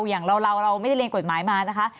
อย่างเราเราไม่ได้เรียนกฎหมายมานะคะ